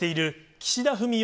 岸田文雄